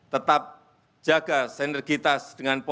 tetap jaga senergitas dengan pola